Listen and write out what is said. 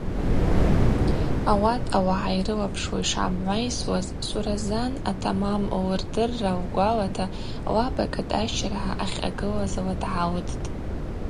Ауат ауагӏа йрылапшуа йшгӏамгӏвайсуаз Суразан атамам ллырдырра лгвалата лаба Кӏатӏащыргӏа ахьъагылазла дгӏалдтӏ.